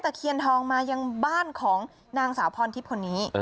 เคียนทองมายังบ้านของนางสาวพรทิพย์คนนี้